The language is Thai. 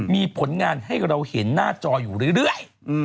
มีผลงานให้เราเห็นหน้าจออยู่เรื่อย